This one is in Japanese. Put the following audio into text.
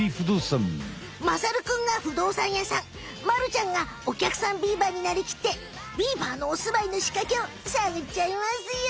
まさるくんが不動産屋さんまるちゃんがお客さんビーバーになりきってビーバーのおすまいのしかけをさぐっちゃいますよ！